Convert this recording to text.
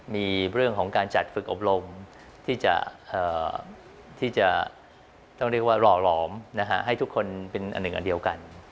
มีเรื่องของการจัดฝึกอบรมที่จะต้องเรียกว่าหล่อหลอมให้ทุกคนเป็นอันหนึ่งอันเดียวกัน